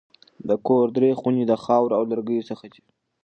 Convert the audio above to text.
د کور درې خونې د خاورو او لرګیو څخه دي.